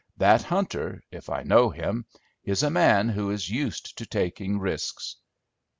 "That hunter, if I know him, is a man who is used to taking risks!